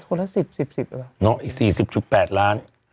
อืมคนละ๑๐๑๐รึเปล่าอีก๔๐๘ล้าน